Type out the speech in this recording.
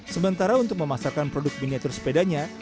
sementara untuk memasarkan produk miniatur sepedanya